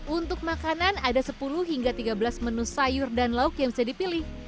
untuk makanan ada sepuluh hingga tiga belas menu sayur dan lauk yang bisa dipilih